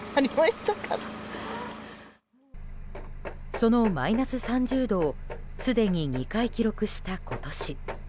そのマイナス３０度をすでに２回記録した今年。